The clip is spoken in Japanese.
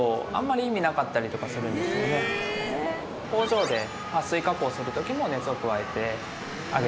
工場ではっ水加工する時も熱を加えてあげてます。